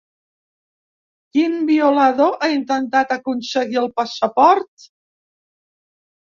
Quin violador ha intentat aconseguir el passaport?